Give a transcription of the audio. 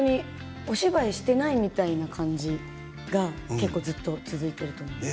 お芝居をしていないみたいな感じがずっと続いていて。